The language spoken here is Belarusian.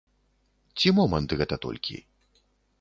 Ці момант гэта толькі?